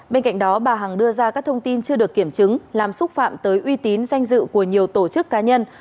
bên cạnh đó bà hằng đưa ra các thông tin chưa được kiểm chứng làm xúc phạm tới uy tín danh dự của nhiều tổ chức cá nhân